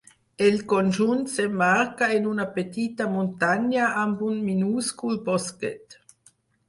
El conjunt s'emmarca en una petita muntanya amb un minúscul bosquet.